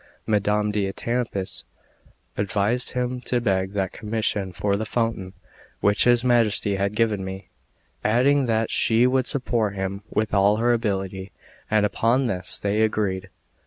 Madame d'Etampes advised him to beg that commission for the fountain which his Majesty had given me, adding that she would support him with all her ability; and upon this they agreed.